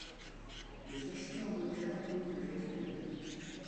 Les acheteurs de terre peuvent les récupérer.